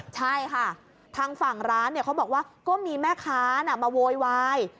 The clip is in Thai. ใช่ค่ะทางฝั่งร้านเขาบอกว่าก็มีแม่ค้ามาโวยวาย